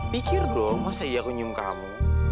pikir dong masa iya aku nyium kamu